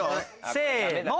せの！